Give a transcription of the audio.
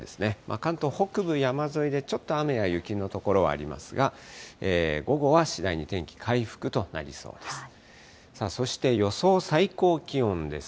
関東北部山沿いでちょっと雨や雪の所はありますが、午後は次第に天気回復となりそうです。